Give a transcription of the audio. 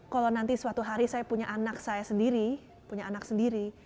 kalau nanti suatu hari saya punya anak saya sendiri punya anak sendiri